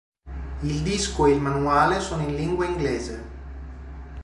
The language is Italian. Il disco e il manuale sono in lingua inglese.